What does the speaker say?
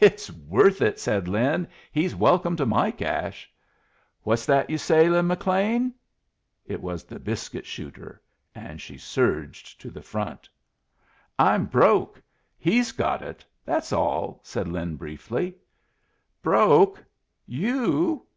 "It's worth it," said Lin. "He's welcome to my cash." "What's that you say, Lin McLean?" It was the biscuit shooter, and she surged to the front. "I'm broke. He's got it. That's all," said Lin, briefly. "Broke! You!"